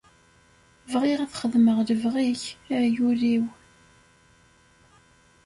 Bɣiɣ ad xedmeɣ lebɣi-k, ay Illu-iw!